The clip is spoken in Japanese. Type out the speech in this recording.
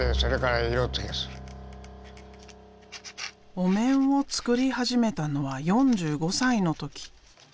お面を作り始めたのは４５歳の時。